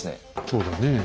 そうだねえ。